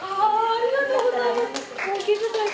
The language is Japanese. ありがとうございます。